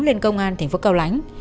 lên công an tp cao lãnh